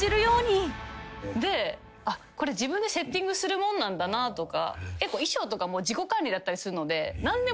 でこれ自分でセッティングするもんなんだなとか。